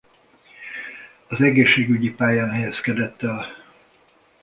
Az egészségügyi pályán helyezkedett el.